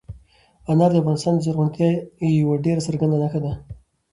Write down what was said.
انار د افغانستان د زرغونتیا یوه ډېره څرګنده نښه ده.